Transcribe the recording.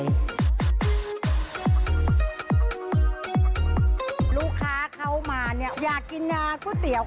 อยากมาอยากกินน้ำก๋วยเตี๋ยว